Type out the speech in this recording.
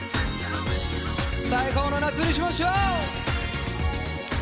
最高の夏にしましょう！